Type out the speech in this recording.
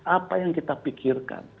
apa yang kita pikirkan